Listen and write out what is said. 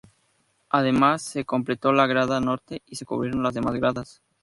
Además, se completó la grada norte y se cubrieron las demás gradas.